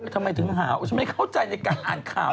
ทำไมถึงหาว่าฉันไม่เข้าใจในการอ่านข่าว